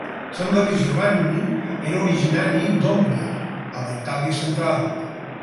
Sembla que Giovanni era originari d'Ombria, a la Itàlia central.